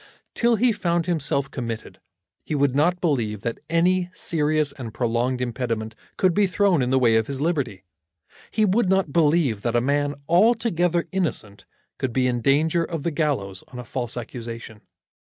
Till he found himself committed, he would not believe that any serious and prolonged impediment could be thrown in the way of his liberty. He would not believe that a man altogether innocent could be in danger of the gallows on a false accusation.